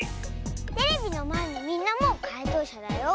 テレビのまえのみんなもかいとうしゃだよ。